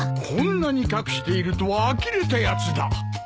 こんなに隠しているとはあきれたやつだ。